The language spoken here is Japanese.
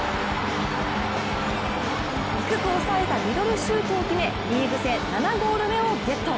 低く抑えたミドルシュートを決めリーグ戦７ゴール目をゲット。